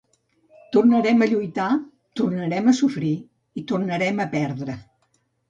Tornarem a lluitar, tornarem a sofrir i tornarem a perdre.